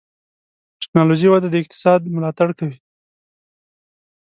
د ټکنالوجۍ وده د اقتصاد ملاتړ کوي.